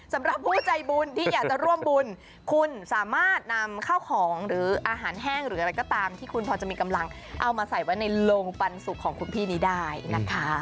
สำหรับผู้ใจบุญที่อยากจะร่วมบุญคุณสามารถนำข้าวของหรืออาหารแห้งหรืออะไรก็ตามที่คุณพอจะมีกำลังเอามาใส่ไว้ในโรงปันสุกของคุณพี่นี้ได้นะคะ